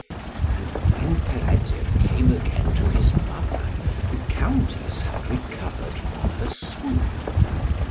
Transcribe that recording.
And when Peredur came again to his mother, the Countess had recovered from her swoon.